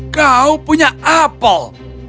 kau punya apel